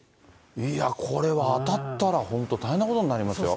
いやぁ、これは当たったら、本当、大変なことになりますよ。